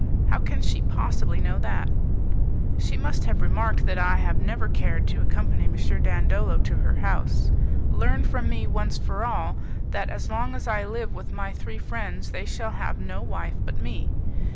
"How can she possibly know that?" "She must have remarked that I have never cared to accompany M. Dandolo to her house. Learn from me once for all, that as long as I live with my three friends they shall have no wife but me.